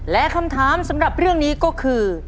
และคำถามสำหรับเรื่องนี้ก็คือ